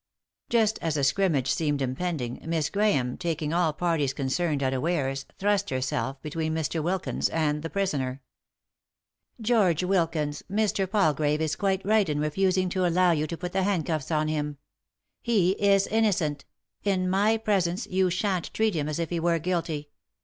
Just as a scrimmage seemed impending Miss Grahame, taking all parties concerned unawares, thrust herself between Mr. Wilkins and the prisoner. "George Wilkins, Mr. Palgrave is quite right in refusing to allow yon to put the handcufls on him. He is innocent; in my presence you shan't treat him as if he were guilty.